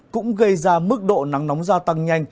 cũng gây ra mức độ nắng nóng gia tăng nhanh